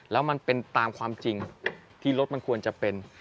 แล้วมันเป็นตามความจริงที่รถมันควรจะเป็น